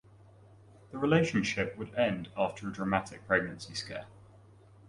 The relationship would end after a dramatic pregnancy scare.